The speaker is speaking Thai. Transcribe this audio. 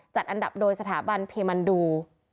จัดอันดับโดยสถาบันเพมันดู